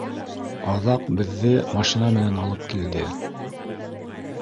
Аҙаҡ беҙҙе машина менән алып килде.